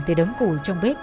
từ đống củi trong bếp